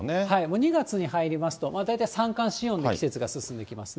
２月に入りますと、大体三寒四温の季節が進んできますね。